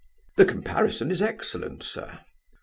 "The comparison is excellent, sir."